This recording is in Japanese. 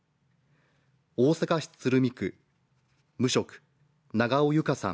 大阪市鶴見区、無職・永尾友香さん